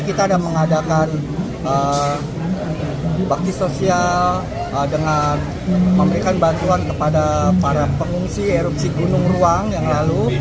kita ada mengadakan bakti sosial dengan memberikan bantuan kepada para pengungsi erupsi gunung ruang yang lalu